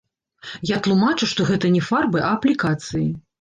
Я тлумачу, што гэта не фарбы, а аплікацыі.